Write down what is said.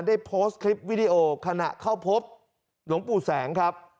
ได้โพสต์คลิปวิดีโอขณะเข้าพบหลวงปู่แสงครับ